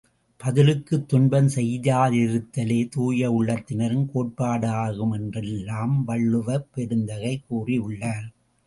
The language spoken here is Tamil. பதிலுக்குத் துன்பம் செய்யா திருத்தலே, தூய உள்ளத்தினரின் கோட்பாடாகும் என்றெல்லாம் வள்ளுவப் பெருந்தகை கூறியுள்ளார்.